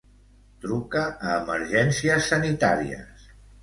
Truca a Emergències Sanitàries.